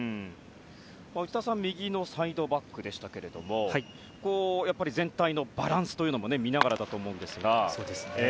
内田さんは右のサイドバックでしたが全体のバランスも見ながらだと思いますが。